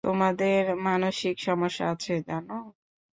তোমাদের মানসিক সমস্যা আছে, জানো?